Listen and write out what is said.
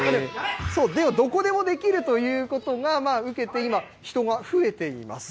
どこでもできるということが受けて今、人が増えています。